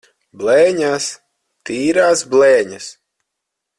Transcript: Blēņas! Tīrās blēņas!